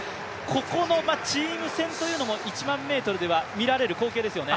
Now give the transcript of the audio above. ここのチーム戦というのは１００００ｍでは見られる光景ですよね。